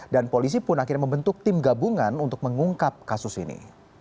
dan polisi pun akhirnya membentuk tim gabungan untuk mengungkap kasus ini